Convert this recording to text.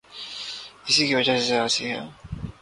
اس کی وجہ سیاسی ہے۔